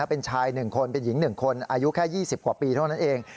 เป็นชาย๑คนเป็นหญิง๑คนอายุแค่๒๐กว่าปีเท่านั้นเอง